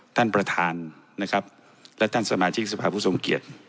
ท่านประธานนะครับและท่านสมาชิกสภาพผู้ทรงเกียจ